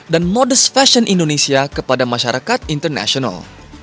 dan modest fashion indonesia kepada masyarakat internasional